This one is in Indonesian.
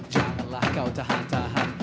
janganlah kau tahan tahan